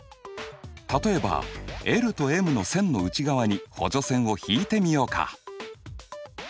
例えばｌとｍの線の内側に補助線を引いてみようか。